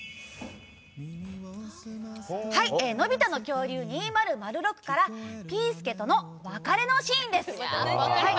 「のび太の恐竜２００６」からピー助との別れのシーンです。